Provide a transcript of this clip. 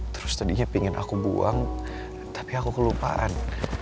terus tadinya pingin aku buang tapi aku kelupaan